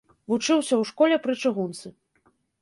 Вучыўся ў школе пры чыгунцы.